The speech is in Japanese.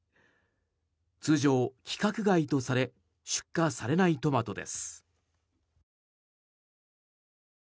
通常、規格外とされ出荷されないトマトです。